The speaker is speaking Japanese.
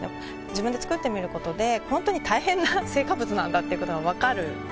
自分で作ってみることでホントに大変な成果物なんだっていうことが分かる。